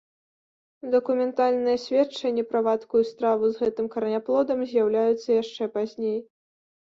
Дакументальныя сведчанні пра вадкую страву з гэтым караняплодам з'яўляюцца яшчэ пазней.